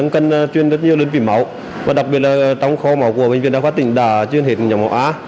cần truyền rất nhiều đến vị máu và đặc biệt là trong khóa máu của bệnh viện đã phát tính đã truyền hết nhóm máu a